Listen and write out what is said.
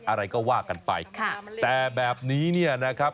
อะไรก็ว่ากันไปค่ะแต่แบบนี้เนี่ยนะครับ